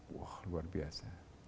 wah luar biasa